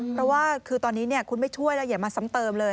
เพราะว่าคือตอนนี้คุณไม่ช่วยแล้วอย่ามาซ้ำเติมเลย